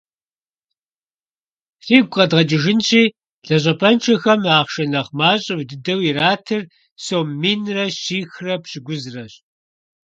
Фигу къэдгъэкӏыжынщи, лэжьапӏэншэхэм ахъшэ нэхъ мащӏэ дыдэу иратыр сом минрэ щихрэ пщӏыкӏузрэщ.